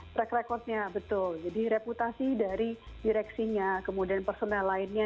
track record nya betul jadi reputasi dari direksinya kemudian personal lainnya